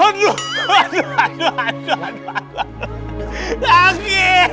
hanyuh hanyuh hanyuh hanyuh hanyuh